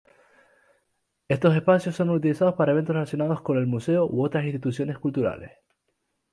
Estos espacios son utilizados para eventos relacionados con el museo u otras instituciones culturales.